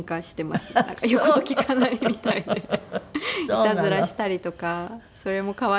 いたずらしたりとかそれも可愛いんですけど。